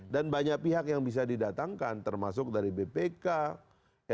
dan banyak pihak yang bisa didatangkan termasuk dari bpk ya termasuk dari badan intelijen mungkin kepolisian